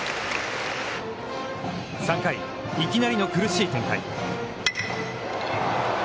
３回、いきなりの苦しい展開。